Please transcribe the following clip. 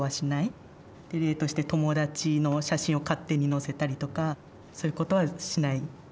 例として友達の写真を勝手にのせたりとかそういうことはしない。